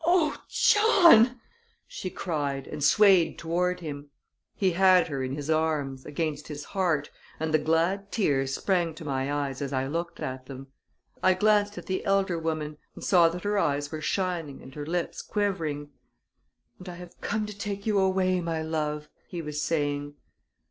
"Oh, John!" she cried, and swayed toward him. He had her in his arms, against his heart, and the glad tears sprang to my eyes as I looked at them. I glanced at the elder woman, and saw that her eyes were shining and her lips quivering. "And I have come to take you away, my love," he was saying.